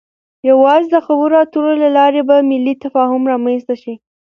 يوازې د خبرو اترو له لارې به ملی تفاهم رامنځته شي.